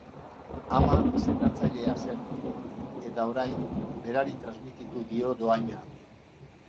Ama sendatzailea zen, eta, orain, berari transmititu dio dohaina.